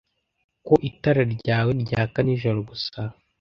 ko itara ryawe ryaka nijoro gusa